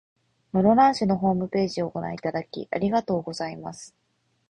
室蘭市のホームページをご覧いただき、ありがとうございます。